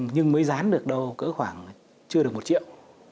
nhưng mới rán được đâu cỡ khoảng chưa được một triệu